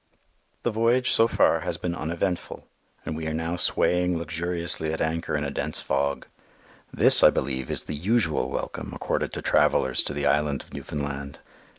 The voyage so far has been uneventful, and we are now swaying luxuriously at anchor in a dense fog. This I believe is the usual welcome accorded to travellers to the island of Newfoundland.